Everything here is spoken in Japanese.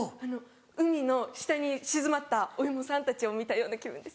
海の下に沈まったお芋さんたちを見たような気持ちです。